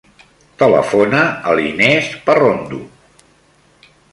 Telefona a l'Inés Parrondo.